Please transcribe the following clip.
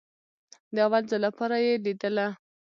د اول ځل لپاره يې ليدله.